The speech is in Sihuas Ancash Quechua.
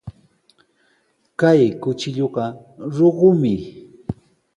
Kay kuchilluqa luqtumi.